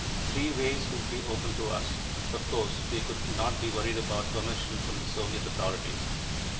Three ways would be open to us (of course we could not be worried about permission from the Soviet authorities!).